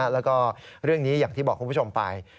แล้วก็เรื่องนี้อย่างที่บอกคุณผู้ชมไป